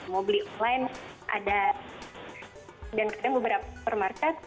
mau beli online ada dan kadang beberapa per market